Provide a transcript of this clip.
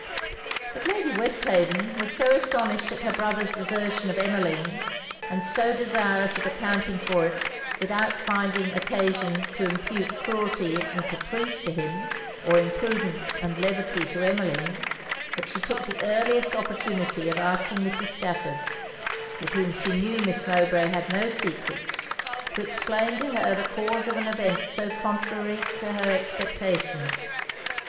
But Lady Westhaven was so astonished at her brother's desertion of Emmeline, and so desirous of accounting for it without finding occasion to impute cruelty and caprice to him, or imprudence and levity to Emmeline, that she took the earliest opportunity of asking Mrs. Stafford, with whom she knew Miss Mowbray had no secrets, to explain to her the cause of an event so contrary to her expectations.